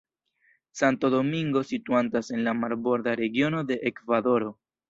Santo Domingo situantas en la Marborda Regiono de Ekvadoro.